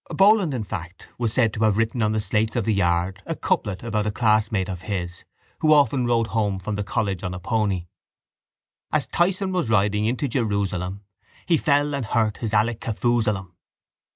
Boland, in fact, was said to have written on the slates in the yard a couplet about a classmate of his who often rode home from the college on a pony: As Tyson was riding into Jerusalem He fell and hurt his Alec Kafoozelum.